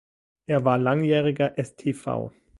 Er war langjähriger stv.